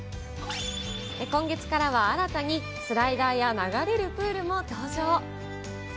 今月からは新たにスライダーや流れるプールも登場。